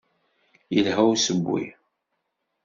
Yelha usewwi.